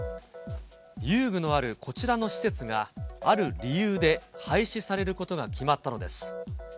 遊具のあるこちらの施設が、ある理由で廃止されることが決まったのです。